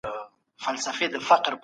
تخصصي بحثونه په کمېسیون کي څنګه کېږي؟